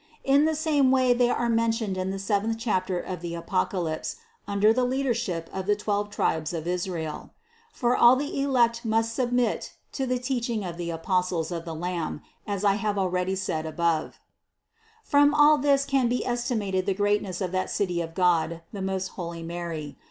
In the same way they are mentioned in the seventh chapter of the Apocalypse under the leadership of the twelve tribes of Israel. For all the elect must sub mit to the teaching of the Apostles of the Lamb, as I have already said above (No. 273). 280. From all this can be estimated the greatness of that City of God, the most holy Mary.